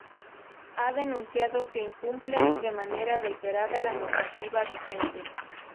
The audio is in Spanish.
ha denunciado que incumplen de manera reiterada la normativa vigente